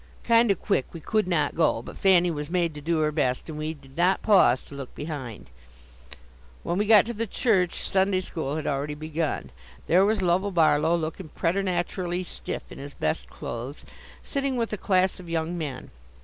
"Kind o' quick" we could not go, but Fanny was made to do her best, and we did not pause to look behind. When we got to the church Sunday school had already begun. There was Lovell Barlow looking preternaturally stiff in his best clothes, sitting with a class of young men.